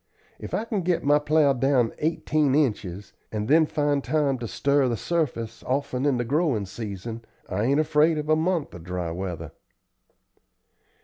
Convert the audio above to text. If I can get my plow down eighteen inches, and then find time to stir the surface often in the growin' season, I ain't afraid of a month of dry weather."